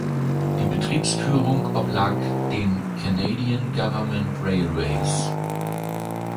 Die Betriebsführung oblag den Canadian Government Railways.